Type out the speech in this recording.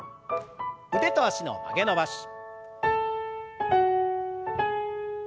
腕と脚の曲げ伸ばし。